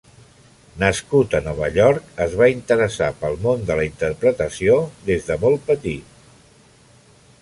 Nascut a Nova York, es va interessar pel món de la interpretació de molt petit.